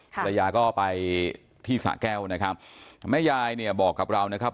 ภรรยาก็ไปที่สะแก้วนะครับแม่ยายเนี่ยบอกกับเรานะครับ